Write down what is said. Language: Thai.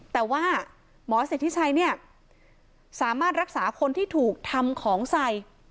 แต่ว่าหมอสิทธิชัยเนี่ยสามารถรักษาคนที่ถูกทำของใส่